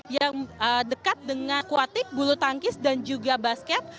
yang dekat dengan kuatik bulu tangkis dan juga basket